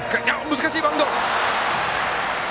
難しいバウンド。